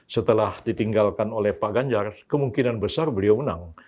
setelah ditinggalkan oleh pak ganjar kemungkinan besar beliau menang